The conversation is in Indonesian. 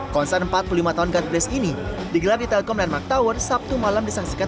konser empat puluh lima tahun god bless ini digelar di telkom landmark tower sabtu malam disaksikan